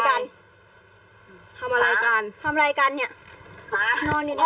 ลูกก็จะไม่ให้เงินเลยไอ้นี่ไอ้ฟรีเนี่ย